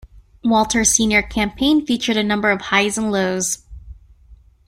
Walter's senior campaign featured a number of highs and lows.